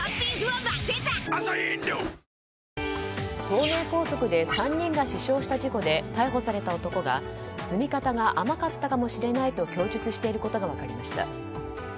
東名高速で３人が死傷した事故で逮捕された男が積み方が甘かったかもしれないと供述していることが分かりました。